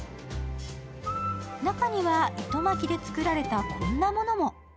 中には、糸巻きで作られたこんなものも。